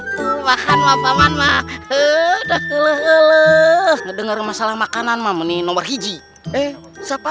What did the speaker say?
atuh makan maaf aman mak udah geluh denger masalah makanan mamunin nomor hiji eh siapa